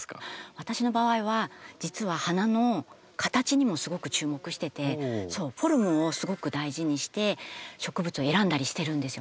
私の場合は実は花の形にもすごく注目しててフォルムをすごく大事にして植物を選んだりしてるんですよね。